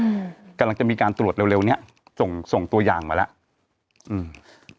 อืมกำลังจะมีการตรวจเร็วเร็วเนี้ยส่งส่งตัวยางมาแล้วอืม